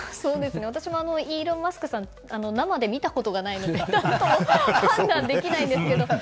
私もイーロン・マスクさんを生で見たことがないので判断できないんですけど。